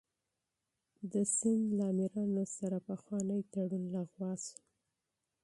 د سند له امیرانو سره پخوانی تړون لغوه شو.